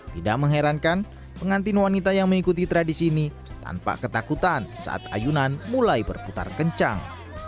tidak mengherankan pengantin wanita yang mengikuti tradisi ini tanpa ketakutan saat ayunan mulai berputar kencang